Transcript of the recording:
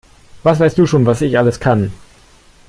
Was weißt du schon, was ich alles kann?